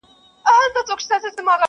پر هوسۍ سترګو چي رنګ د کجل راسي!!